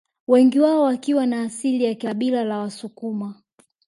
Wengi wao wakiwa na asili ya kabila la Wasukuma